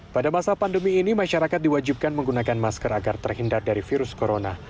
pada masa pandemi ini masyarakat diwajibkan menggunakan masker agar terhindar dari virus corona